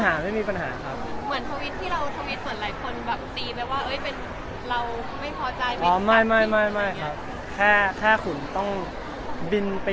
โทวิตเตอร์ก็หึมมากน้องเจสซี